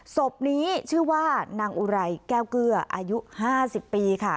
ศพนี้ชื่อว่านางอุไรแก้วเกลืออายุ๕๐ปีค่ะ